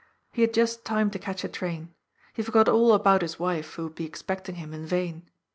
He had just time to catch a train. He forgot all about his wife, who would be expecting him in vain.